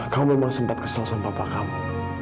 kamu memang sempat kesal sama papa kamu